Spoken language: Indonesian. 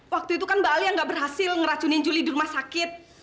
waktu itu kan mbak alia nggak berhasil ngeracunin juli di rumah sakit